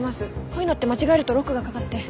こういうのって間違えるとロックがかかって。